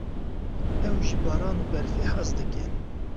Ew ji baran û berfê hez dike.